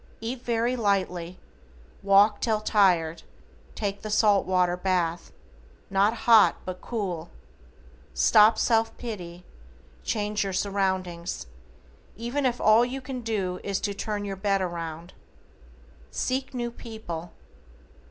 Eat very lightly, walk till tired, take the salt water bath, not hot but cool. Stop self pity, change your surroundings, even if all you can do is to turn your bed around. Seek new people.